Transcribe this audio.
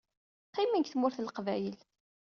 Qqimen deg Tmurt n Leqbayel.